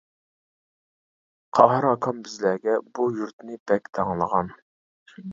قاھار ئاكام بىزلەرگە، بۇ يۇرتنى بەك داڭلىغان.